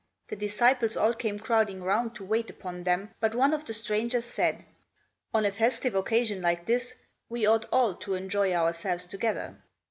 The disciples all came crowding round to wait upon them, but one of the strangers said, "On a festive occasion like this we ought all to enjoy ourselves together."